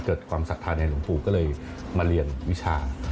เกิดความศรัทธาในหลวงปู่ก็เลยมาเรียนวิชา